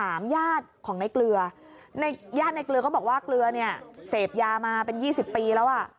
ญาติของในเกลือในญาติในเกลือก็บอกว่าเกลือเนี่ยเสพยามาเป็น๒๐ปีแล้วอ่ะ